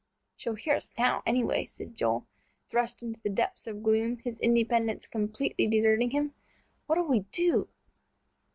"She'll hear us now, anyway," said Joel, thrust into the depths of gloom, his independence completely deserting him; "what'll we do?"